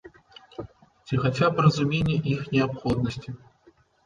Ці хаця б разуменне іх неабходнасці?